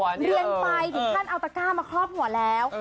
เรียนไปถึงท่านเอตรอกามาครอบหมวดแล้ว